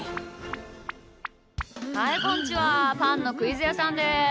はいこんちはパンのクイズやさんです。